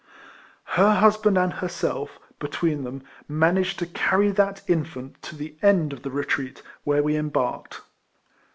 Her husband and herself, between them, manaored to carry that mfant to the end of the retreat, where we embarked.